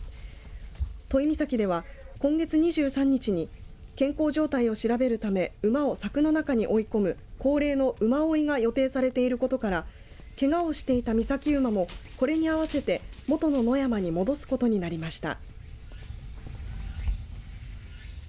都井岬では今月２３日に健康状態を調べるため馬を柵の中に追い込む恒例の馬追いが予定されていることからけがをしていた岬馬もこれに合わせて元の野山に戻すことになりました。